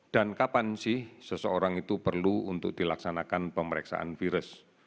dan kapan sih seseorang itu perlu untuk dilaksanakan pemeriksaan virus